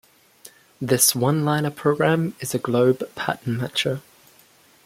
This one-liner program is a glob pattern matcher.